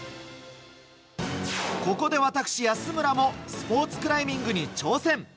ここで私、安村もスポーツクライミングに挑戦。